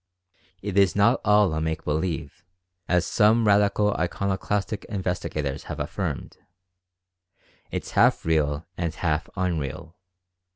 It is not all a make believe, as some radical iconoclastic investigators have affirmed — it's half real and half unreal.